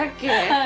はい。